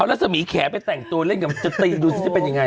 อ๋อเอาราสมีแขไปแต่งตัวเล่นกับติดดูซิจะเป็นยังไง